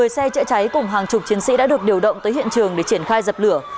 một mươi xe chữa cháy cùng hàng chục chiến sĩ đã được điều động tới hiện trường để triển khai dập lửa